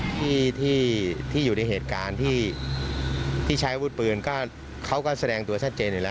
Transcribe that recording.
ที่อยู่ในเหตุการณ์ที่ใช้อาวุธปืนก็เขาก็แสดงตัวชัดเจนอยู่แล้ว